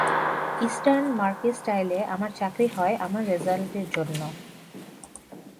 Eastern মার্কেস্টাইলে আমার চাকরি হয় আমার রেজান্টের জন্যে।